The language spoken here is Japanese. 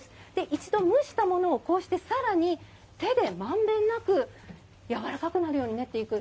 一度、蒸したものをさらに手でまんべんなくやわらかくなるように練っていく。